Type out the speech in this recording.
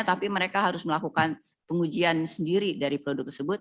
tapi mereka harus melakukan pengujian sendiri dari produk tersebut